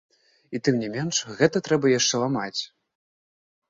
І тым не менш, гэта трэба яшчэ ламаць.